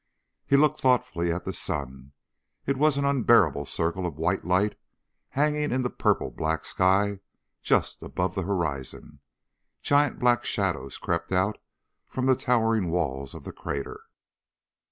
He looked thoughtfully at the sun. It was an unbearable circle of white light hanging in the purple black sky just above the horizon. Giant black shadows crept out from the towering walls of the crater.